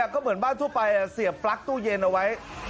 ก็เหมือนบ้านทั่วไปเสียบปลั๊กตู้เย็นเอาไว้